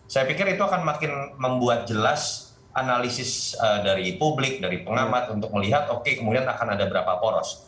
saya pikir itu akan makin membuat jelas analisis dari publik dari pengamat untuk melihat oke kemudian akan ada berapa poros